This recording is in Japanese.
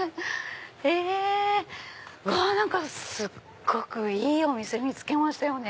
うわ何かすごくいいお店見つけましたよね。